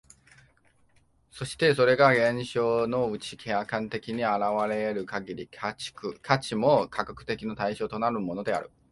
そしてそれが現象のうちに客観的に現れる限り、価値も科学の対象となるのである。